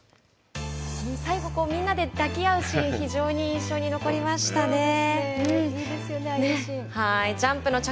最後、みんなで抱き合うシーン非常に印象に残りましたね。